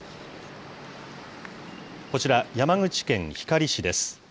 こちら、山口県光市です。